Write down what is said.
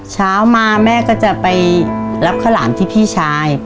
เช้ามาแม่ก็จะไปรับข้าวหลามที่พี่ชาย